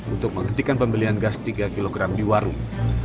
untuk menghentikan pembelian gas tiga kg di warung